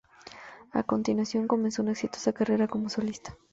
A continuación, comenzó una exitosa carrera como solista.